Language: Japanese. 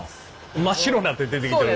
真っ白になって出てきてる。